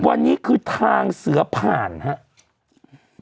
วันนี้คือทางเสือผ่านครับ